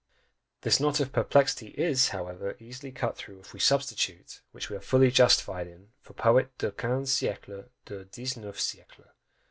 This knot of perplexity is, however, easily cut through, if we substitute, which we are fully justified in, for "Poète du XV. Siècle" "du XIX. Siècle."